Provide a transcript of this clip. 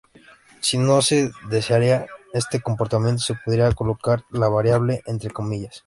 Si no se deseara este comportamiento, se podría colocar la variable entre comillas: "$b".